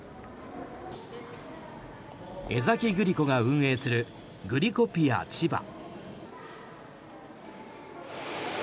江崎グリコが運営するグリコビアＣＨＩＢＡ。